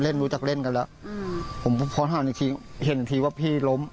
รู้จักเล่นกันแล้วอืมผมพอถามอีกทีเห็นทีว่าพี่ล้ม